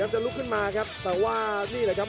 จะลุกขึ้นมาครับแต่ว่านี่แหละครับ